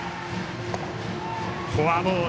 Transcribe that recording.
フォアボール。